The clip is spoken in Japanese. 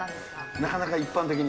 なかなか一般的に？